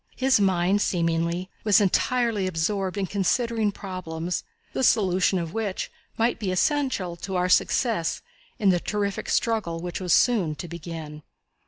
His mind, seemingly, was entirely absorbed in considering problems, the solution of which might be essential to our success in the terrific struggle which was soon to begin.